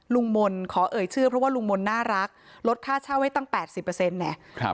ลุงมนต์ขอเอ่ยชื่อเพราะว่าลุงมนต์น่ารักลดค่าเช่าให้ตั้งแปดสิบเปอร์เซ็นต์เนี่ย